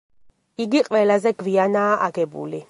იგი ყველაზე გვიანაა აგებული.